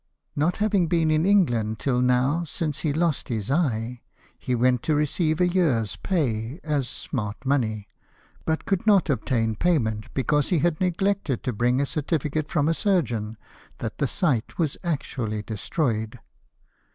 Not having been in England till now since he lost his eye, he went to receive a year's pay as smart money, but could not obtain payment because he had neglected to bring a certificate from a surgeon that the sight was actually destroyed.